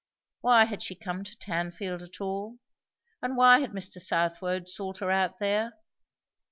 Why had she come to Tanfield at all? and why had Mr. Southwode sought her out there?